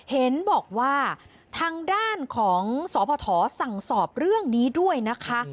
เห็นบอกว่าทางด้านของสพสั่งสอบเรื่องนี้ด้วยนะคะ